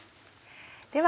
では